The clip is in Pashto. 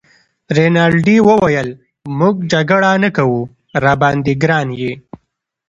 رینالډي وویل: موږ جګړه نه کوو، راباندي ګران يې.